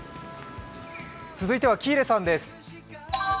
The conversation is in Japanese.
続いては喜入さんです。